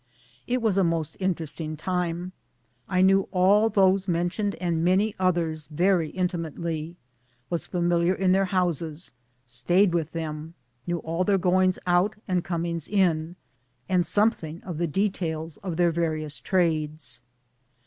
It was a most interest ing time. I knew all those mentioned and many others, very intimately, was familiar in their houses, stayed with them, knew all their goings out and comings in, and something; of the details of their various trades.